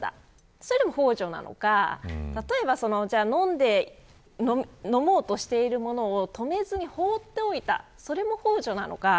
それもほう助なのか飲もうとしているものを止めずに放っておいたそれもほう助なのか